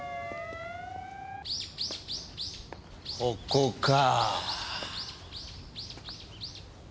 ここか。